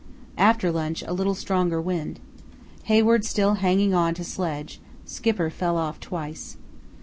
After lunch a little stronger wind. Hayward still hanging on to sledge; Skipper fell off twice.